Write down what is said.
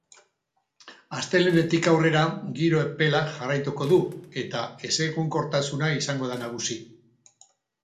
Astelehenetik aurrera giro epelak jarraituko du eta ezegonkortasuna izango da nagusi.